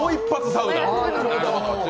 サウナ？